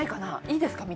いいですか？